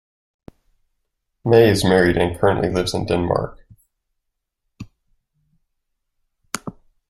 May is married and currently lives in Denmark.